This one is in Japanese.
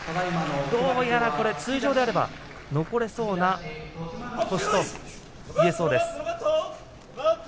どうやら通常であれば十両に残れそうな星になりそうです。